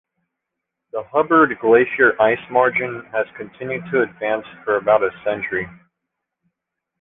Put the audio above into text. The Hubbard Glacier ice margin has continued to advance for about a century.